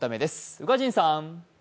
宇賀神さん。